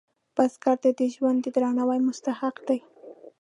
بزګر ته د ژوند د درناوي مستحق دی